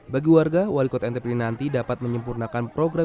bagi warga wali kota ntp ini nanti dapat menyempurnakan program